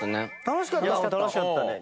楽しかったね。